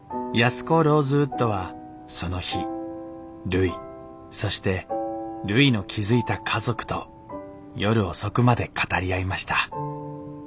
安子・ローズウッドはその日るいそしてるいの築いた家族と夜遅くまで語り合いました。